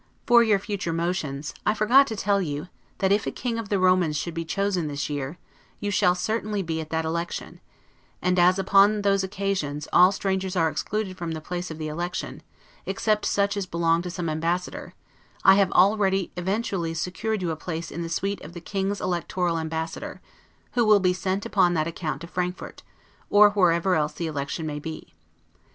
] for your future motions, I forgot to tell you; that, if a king of the Romans should be chosen this year, you shall certainly be at that election; and as, upon those occasions, all strangers are excluded from the place of the election, except such as belong to some ambassador, I have already eventually secured you a place in the suite of the King's Electoral Ambassador, who will be sent upon that account to Frankfort, or wherever else the election may be.